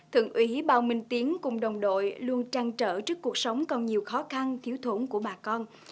thượng ủy bao minh tiến cùng đồng đội luôn trăng trở trước cuộc sống còn nhiều khó khăn thiếu thủng của bà con